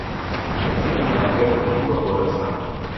Barcelona ya Pep ilikuwa bora sana